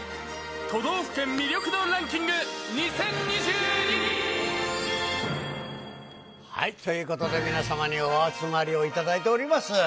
都道府県魅力度ランキング２０２２。ということで、皆様にお集まりをいただいております。